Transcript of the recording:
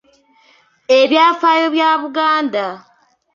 Ebyafaayo bya Buganda